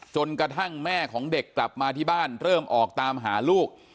จนกระทั่งแม่ของเด็กกลับมาที่บ้านเริ่มออกตามหาลูก